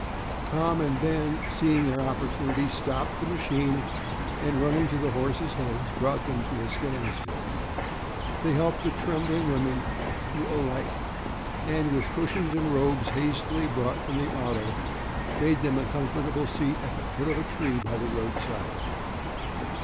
Tom and Ben, seeing their opportunity, stopped the machine, and, running to the horses' heads, brought them to a standstill. They helped the trembling women to alight and with cushions and robes hastily brought from the auto made them a comfortable seat at the foot of a tree by the roadside.